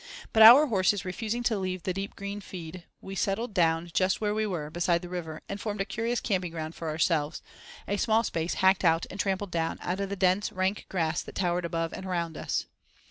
But our horses refusing to leave the deep green feed, we settled down just where we were, beside the river, and formed a curious camping ground for ourselves, a small space hacked out and trampled down, out of the dense rank grass that towered above and around us.